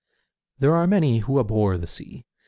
There are many who abhor the sea.